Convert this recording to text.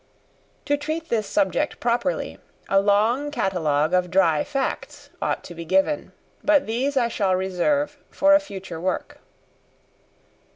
To treat this subject properly, a long catalogue of dry facts ought to be given; but these I shall reserve for a future work.